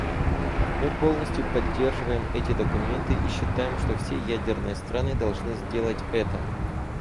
Мы полностью поддерживаем эти документы и считаем, что все ядерные страны должны сделать это.